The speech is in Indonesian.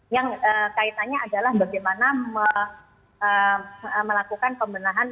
yang kaitannya adalah bagaimana melakukan pembenahan